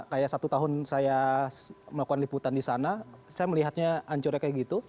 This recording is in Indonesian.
kayak satu tahun saya melakukan liputan di sana saya melihatnya hancurnya kayak gitu